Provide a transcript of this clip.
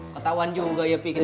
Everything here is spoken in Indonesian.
ketauan juga ya pi